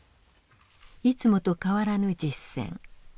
いつもと変わらぬ実践。